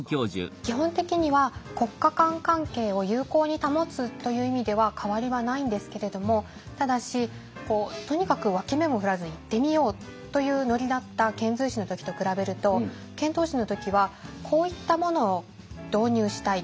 基本的には国家間関係を友好に保つという意味では変わりはないんですけれどもただしこうとにかく脇目も振らず行ってみようというノリだった遣隋使の時と比べると遣唐使の時はこういったものを導入したい。